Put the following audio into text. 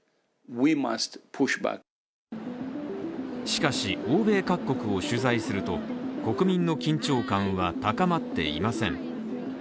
しかし、欧米各国を取材すると国民の緊張感は高まっていません。